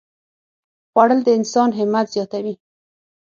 خوړل د انسان همت زیاتوي